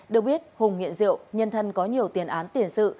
được biết hùng nghiện rượu nhân thân có nhiều tiền án tiền sự